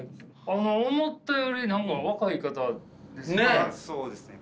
思ったより何か若い方ですね。